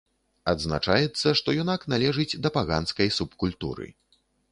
Адзначаецца, што юнак належыць да паганскай субкультуры.